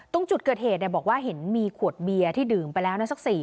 ตรงจุดเกิดเหตุบอกว่าเห็นมีขวดเบียร์ที่ดื่มไปแล้วสัก๔๐